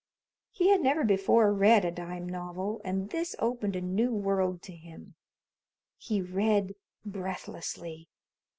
He had never before read a dime novel, and this opened a new world to him. He read breathlessly.